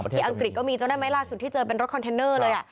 อังกฤษก็มีจำได้ไหมล่าสุดที่เจอเป็นรถคอนเทนเนอร์เลย